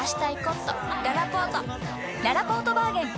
ららぽーとバーゲン開催！